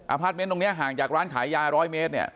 อาพาร์ทเม้นท์ตรงนี้ห่างจากร้านขายยา๑๐๐เมตร